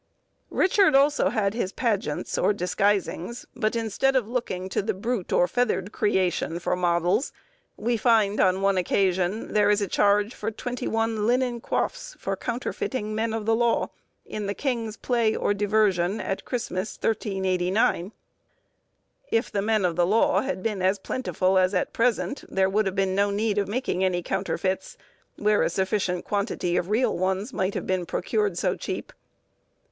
Richard also had his pageants, or disguisings, but instead of looking to the brute or feathered creation for models, we find, on one occasion, there is a charge for twenty one linen coifs for counterfeiting men of the law, in the king's play or diversion at Christmas, 1389. If the men of the law had been as plentiful as at present, there would have been no need of making any counterfeits, where a sufficient quantity of real ones might have been procured so cheap.